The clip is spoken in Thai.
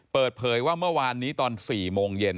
เปิดเผยว่าเมื่อวานนี้ตอน๔โมงเย็น